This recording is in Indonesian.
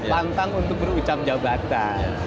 tantang untuk berucam jabatan